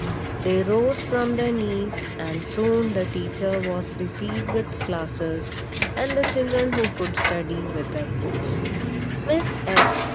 They rose from their knees; and soon the teacher was busied with classes, and the children who could study, with their books. Miss H.